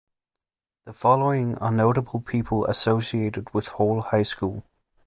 The following are notable people associated with Hall High School.